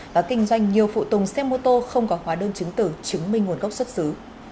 và kinh doanh nhiều phụ tùng xe mô tô không có hóa đơn chứng tử chứng minh nguồn gốc xuất xứ